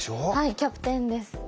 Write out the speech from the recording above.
はいキャプテンです。